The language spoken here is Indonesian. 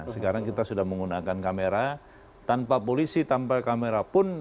sekarang kita sudah menggunakan kamera tanpa polisi tanpa kamera pun